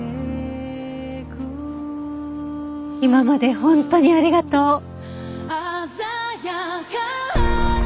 今まで本当にありがとう。